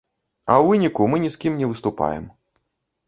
А ў выніку мы ні з кім не выступаем.